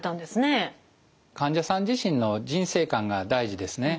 患者さん自身の人生観が大事ですね。